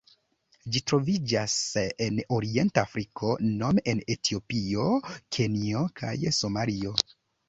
Ĝi troviĝas en Orienta Afriko nome en Etiopio, Kenjo kaj Somalio.